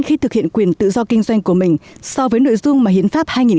khi thực hiện quyền tự do kinh doanh của mình so với nội dung mà hiến pháp hai nghìn một mươi ba đã quy định